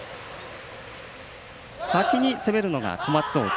先に攻めるのが小松大谷。